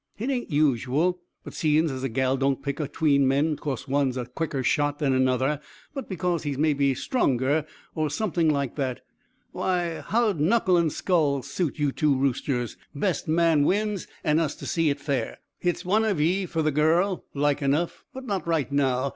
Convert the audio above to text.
"Hit ain't usual; but seein' as a gal don't pick atween men because one's a quicker shot than another, but because he's maybe stronger, or something like that, why, how'd knuckle and skull suit you two roosters, best man win and us to see hit fair? Hit's one of ye fer the gal, like enough. But not right now.